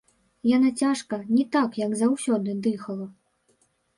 Яна цяжка, не так, як заўсёды, дыхала.